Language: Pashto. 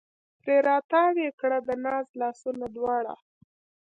پرې را تاو یې کړه د ناز لاسونه دواړه